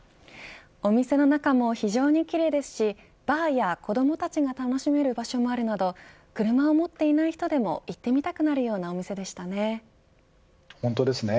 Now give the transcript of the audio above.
お店の中も非常に奇麗ですしバーや、子どもたちが楽しめる場所もあるなど車を持っていない人でも行ってみたくなるような本当ですね。